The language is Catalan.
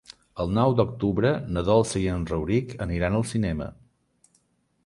El nou d'octubre na Dolça i en Rauric aniran al cinema.